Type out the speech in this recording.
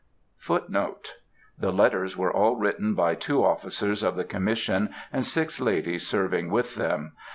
Footnote 1: The letters were all written by two officers of the Commission and six ladies serving with them.